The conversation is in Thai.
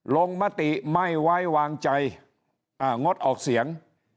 มติไม่ไว้วางใจงดออกเสียง